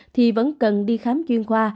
thì vẫn cần đi khám chuyên khoa